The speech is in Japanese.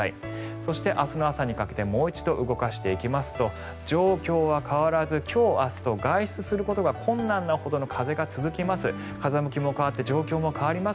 そして明日の朝にかけてもう一度動かしていきますと状況は変わらず今日明日と外出することが困難なほどの風が続きます。